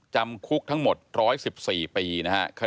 จำคุกทั้งหมด๑๑๔ปีนะครับ